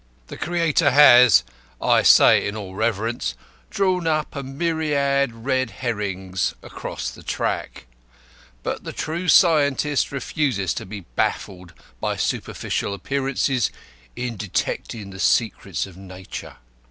The Creator has I say it in all reverence drawn a myriad red herrings across the track, but the true scientist refuses to be baffled by superficial appearances in detecting the secrets of Nature.